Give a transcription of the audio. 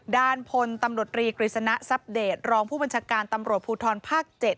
ด้านพลตำรวจรีกฤษณะทรัพเดตรองผู้บัญชาการตำรวจภูทรภาค๗